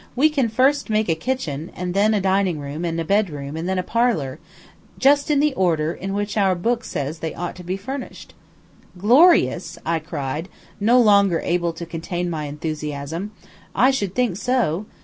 "We can first make a kitchen, and then a dining room, and a bedroom, and then a parlor just in the order in which our book says they ought to be furnished." "Glorious!" I cried, no longer able to contain my enthusiasm; "I should think so.